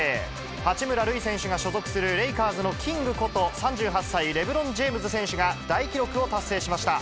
八村塁選手が所属するレイカーズのキングこと３８歳、レブロン・ジェームズ選手が大記録を達成しました。